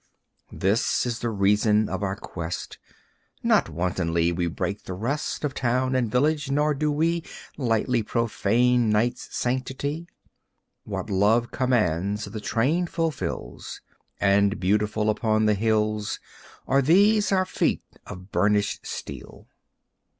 This is the reason of our quest! Not wantonly we break the rest Of town and village, nor do we Lightly profane night's sanctity. What Love commands the train fulfills, And beautiful upon the hills Are these our feet of burnished steel.